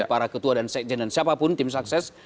para ketua dan sekjen dan siapapun tim sukses